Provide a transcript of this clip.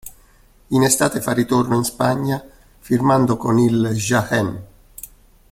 In estate fa ritorno in Spagna firmando con il Jaén.